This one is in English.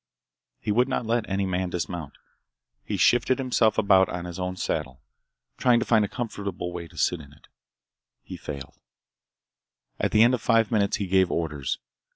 He would not let any man dismount. He shifted himself about on his own saddle, trying to find a comfortable way to sit. He failed. At the end of five minutes he gave orders.